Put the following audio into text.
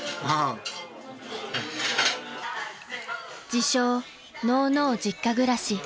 ［自称のうのう実家暮らし］